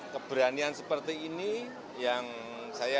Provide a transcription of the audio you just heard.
keberanian seperti ini yang saya